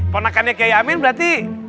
ponakannya kayak amin berarti